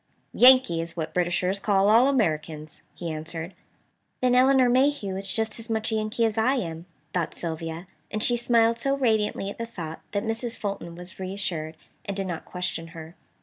"Yankee is what Britishers call all Americans," he answered. "Then Elinor Mayhew is just as much a Yankee as I am," thought Sylvia, and she smiled so radiantly at the thought that Mrs. Fulton was reassured, and did not question her.